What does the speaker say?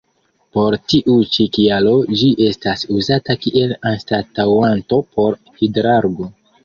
Por tiu ĉi kialo ĝi estas uzata kiel anstataŭanto por Hidrargo.